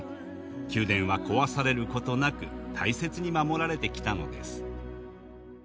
宮殿は壊される事なく大切に守られてきたのです。